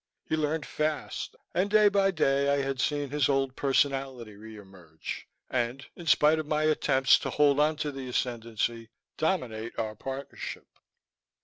He learned fast, and day by day I had seen his old personality reemerge and in spite of my attempts to hold onto the ascendency dominate our partnership.